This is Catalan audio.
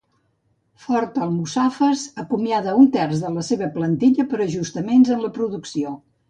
Ford Almussafes acomiada un terç de la seva plantilla per ajustaments en la producció.